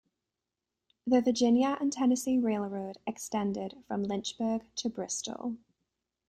The Virginia and Tennessee Railroad extended from Lynchburg to Bristol.